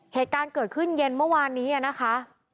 เหตุการณ์เกิดขึ้นเย็นเมื่อวานนี้นะคะ